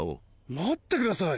待ってください